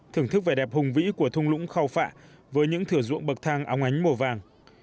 thưởng thức vẻ đẹp hùng vĩ của thung lũng khao phạ với những thửa ruộng bậc thang óng ánh màu vàng